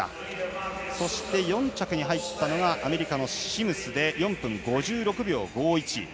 そして４着はアメリカのシムズで４分５６秒５１。